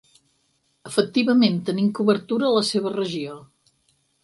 Efectivament tenim cobertura a la seva regió.